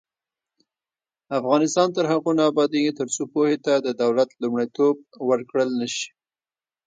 افغانستان تر هغو نه ابادیږي، ترڅو پوهې ته د دولت لومړیتوب ورکړل نشي.